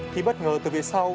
khi bất ngờ từ phía sau